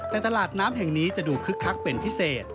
แต่ตลาดน้ำแห่งนี้จะดูคึกคักเป็นพิเศษ